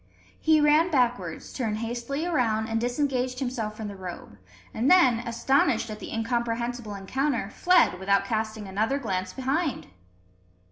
He ran backwards, turned hastily around, and disengaged himself from the robe; and then, astonished at the incomprehensible encounter, fled without casting another glance behind!